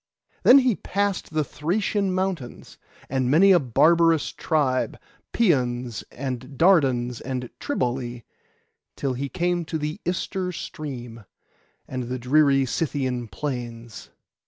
Then he passed the Thracian mountains, and many a barbarous tribe, Pæons and Dardans and Triballi, till he came to the Ister stream, and the dreary Scythian plains.